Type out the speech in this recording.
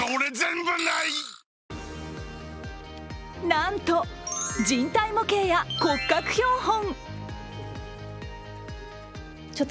なんと、人体模型や骨格標本。